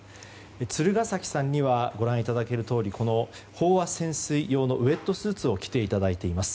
鶴ケ崎さんにはご覧いただけるとおり飽和潜水用のウェットスーツを着ていただいています。